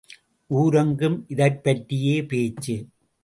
ஊரெங்கும் இதைப்பற்றியே பேச்சு.